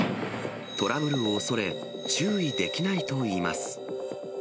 トラブルを恐れ、注意できないといいます。